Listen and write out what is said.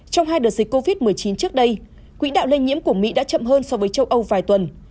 trong hai đợt dịch covid một mươi chín trước đây quỹ đạo lây nhiễm của mỹ đã chậm hơn so với châu âu vài tuần